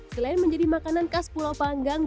selain menjadi makanan khas pulau panggang